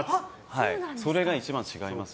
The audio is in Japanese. それが一番違います。